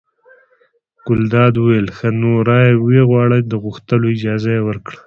ګلداد وویل ښه! نو را ویې غواړه د غوښتلو اجازه یې ورکړه.